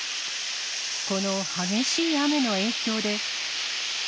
この激しい雨の影響で。